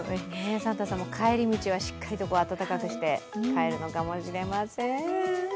サンタさんも帰り道はしっかりと暖かくして帰るのかもしれません。